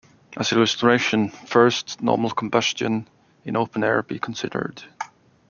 As illustration, first, normal combustion in open air be considered.